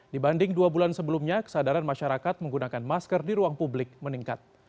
dibanding dua bulan sebelumnya kesadaran masyarakat menggunakan masker di ruang publik meningkat